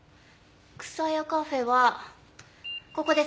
草谷カフェはここです。